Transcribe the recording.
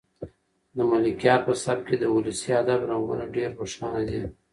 د ملکیار په سبک کې د ولسي ادب رنګونه ډېر روښانه دي.